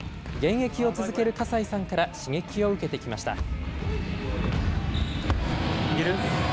現役を続ける葛西さんから、刺激を受けてきました。